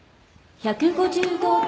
１５５点！